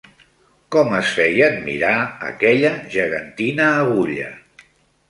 Com es feia admirar aquella gegantina agulla